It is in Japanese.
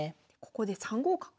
ここで３五角。